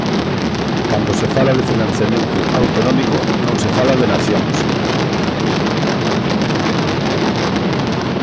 Cando se fala de financiamento autonómico, non se fala de nacións.